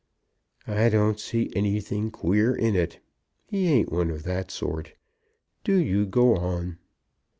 "I don't see anything queer in it. He ain't one of that sort. Do you go on."